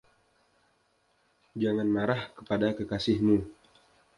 Jangan marah kepada kekasihmu.